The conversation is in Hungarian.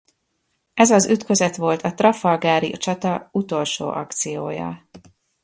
Ez az ütközet volt a trafalgari csata utolsó akciója.